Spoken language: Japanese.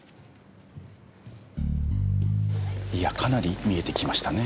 いやかなり見えてきましたね。